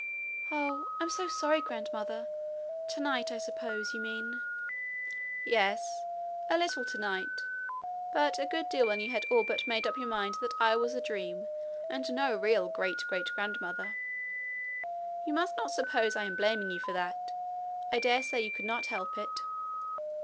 'Oh, I'm so sorry, grandmother! Tonight, I suppose, you mean.' 'Yes a little tonight; but a good deal when you had all but made up your mind that I was a dream, and no real great great grandmother. You must not suppose I am blaming you for that. I dare say you could not help it.'